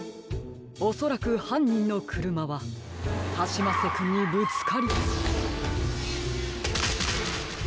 おそらくはんにんのくるまはカシマッセくんにぶつかり。